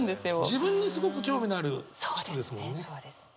自分にすごく興味のある人ですもんね。